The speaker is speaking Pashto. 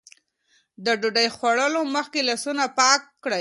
د ډوډۍ خوړلو مخکې لاسونه پاک کړئ.